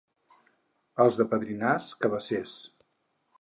Els de Padrinàs, cabassers.